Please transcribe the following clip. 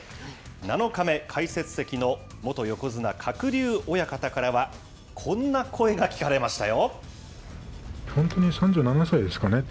７日目、解説席の元横綱・鶴竜親方からは、こんな声が聞かれましたよ。